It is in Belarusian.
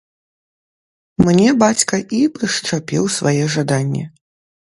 Мне бацька і прышчапіў свае жаданні.